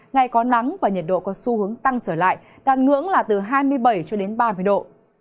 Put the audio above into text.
ngày có nắng và nhiệt độ có xu hướng tăng trở lại đạt ngưỡng là từ hai mươi bảy cho đến ba mươi độ